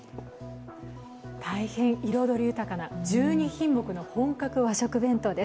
大変彩り豊かな１２品目の本格和食弁当です。